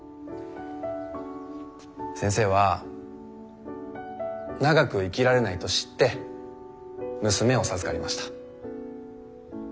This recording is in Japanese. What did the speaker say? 先生は長く生きられないと知って娘を授かりました。